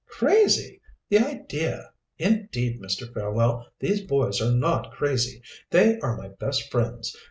"Crazy! The idea! Indeed, Mr. Fairwell, these boys are not crazy. They are my best friends.